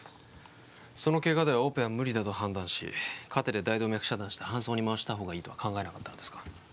そのケガではオペは無理だと判断しカテで大動脈遮断して搬送に回した方がいいとは考えなかったんですか？